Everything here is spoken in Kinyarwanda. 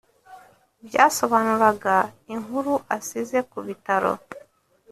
byasobanuraga inkuru asize kubitaro